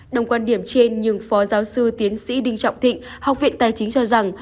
đồng quan điểm trên nhưng phó giáo sư tiến sĩ đinh trọng thịnh học viện tài chính cho rằng